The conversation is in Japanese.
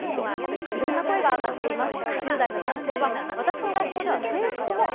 いろいろな声が上がっています。